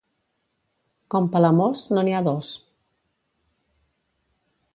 Com Palamós no n'hi ha dos.